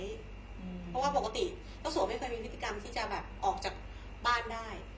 เพราะว่าปกติเจ้าสัวไม่เคยมีพฤติกรรมที่จะแบบออกจากบ้านได้